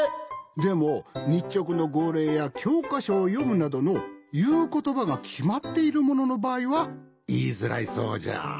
でもにっちょくのごうれいやきょうかしょをよむなどのいうことばがきまっているもののばあいはいいづらいそうじゃあ。